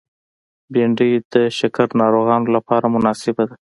بېنډۍ د شکر ناروغانو لپاره مناسبه ده